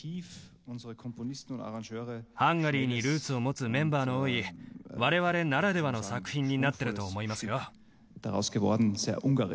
ハンガリーにルーツを持つメンバーの多い我々ならではの作品になってると思いますよ。